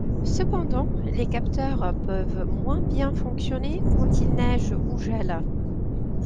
Cependant, les capteurs peuvent moins bien fonctionner quand il neige ou gèle.